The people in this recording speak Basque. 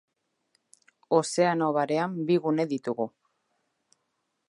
Ozeano Barean bi gune ditugu.